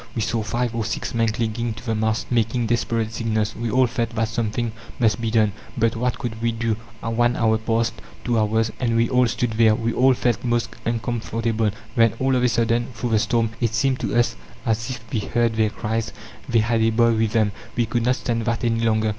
We saw five or six men clinging to the mast, making desperate signals. We all felt that something must be done, but what could we do? One hour passed, two hours, and we all stood there. We all felt most uncomfortable. Then, all of a sudden, through the storm, it seemed to us as if we heard their cries they had a boy with them. We could not stand that any longer.